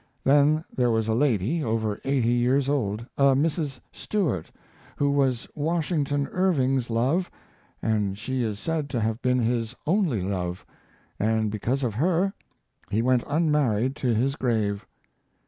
Then there was a lady, over eighty years old, a Mrs. Stuart, who was Washington Irving's love, and she is said to have been his only love, and because of her he went unmarried to his grave.